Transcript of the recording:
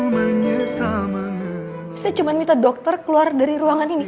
saya cuma minta dokter keluar dari ruangan ini